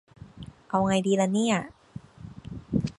เอาไงดีละเนี่ย